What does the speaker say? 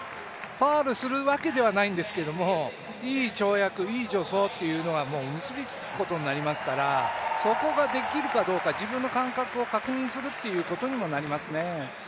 ファウルするわけではないんですけど、いい跳躍、いい助走というのが結びつくことになりますから、そこができるかどうか、自分の感覚を確認するということにもなりますね。